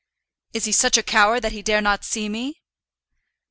"Is he such a coward that he dare not see me?"